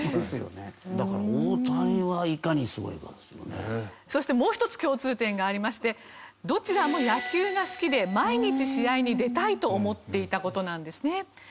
だからそしてもう一つ共通点がありましてどちらも野球が好きで毎日試合に出たいと思っていた事なんですね。